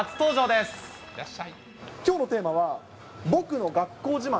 きょうのテーマは、僕の学校